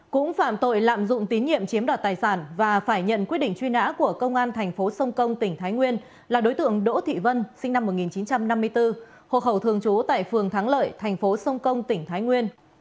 cũng phạm tội lạm dụng tín nhiệm chiếm đoạt tài sản và phải nhận quyết định truy nã của công an thành phố sông công tỉnh thái nguyên là đối tượng đỗ thị vân sinh năm một nghìn chín trăm năm mươi bốn hộ khẩu thường trú tại phường thắng lợi thành phố sông công tỉnh thái nguyên